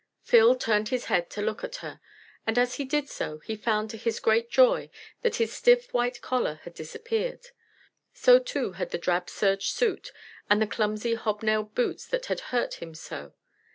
Phil turned his head to look at her, and as he did so he found to his great joy that his stiff white collar had disappeared. So, too, had the drab serge suit and the clumsy hob nailed boots that had hurt him so.